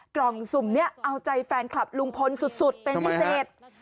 กล่องสุ่มนี้เอาใจแฟนคลับลุงพลสุดเป็นพิเศษ